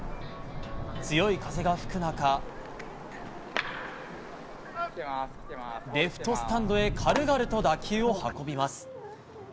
強い風が吹く中レフトスタンドへ軽々と打球を運びます。